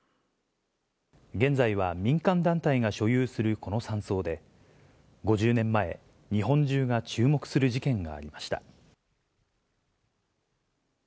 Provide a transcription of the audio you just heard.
現在は民間団体が所有するこの山荘で、５０年前、日本中が注目する事件がありました。